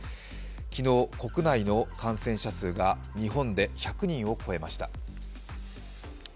昨日国内の感染者数が日本で１００人を超えました。